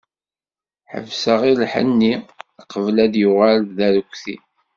Ḥebseɣ lḥenni, qbel ad yuɣal d arekti.